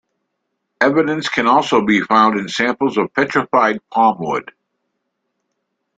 Evidence can also be found in samples of petrified palmwood.